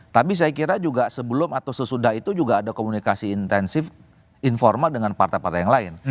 tapi saya kira juga sebelum atau sesudah itu juga ada komunikasi intensif informal dengan partai partai yang lain